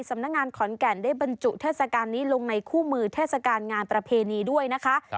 สำนักงานขอนแก่นได้บรรจุเทศกาลนี้ลงในคู่มือเทศกาลงานประเพณีด้วยนะคะ